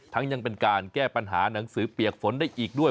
ยังเป็นการแก้ปัญหาหนังสือเปียกฝนได้อีกด้วย